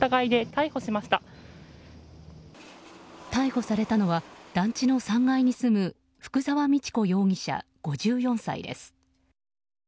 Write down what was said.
逮捕されたのは団地の３階に住む福沢道子容疑者、５４歳です。